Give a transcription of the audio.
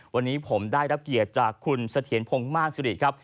วันนี้ผมได้รับเกียรติจากคุณเสถียรพงศ์มากสุริครับ